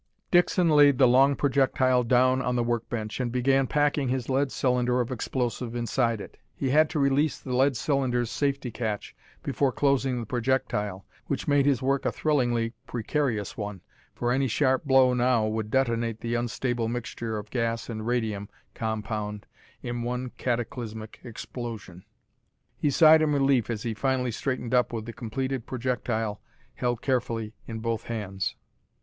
Dixon laid the long projectile down on the work bench, and began packing his lead cylinder of explosive inside it. He had to release the lead cylinder's safety catch before closing the projectile, which made his work a thrillingly precarious one, for any sharp blow now would detonate the unstable mixture of gas and radium compound in one cataclysmic explosion. He sighed in relief as he finally straightened up with the completed projectile held carefully in both hands.